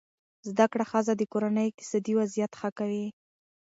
زده کړه ښځه د کورنۍ اقتصادي وضعیت ښه کوي.